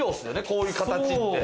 こういう形って。